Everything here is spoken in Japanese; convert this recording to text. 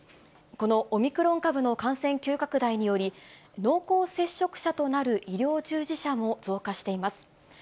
このオミクロン株の感染急拡大により、濃厚接触者となる医療従事者も増加しています。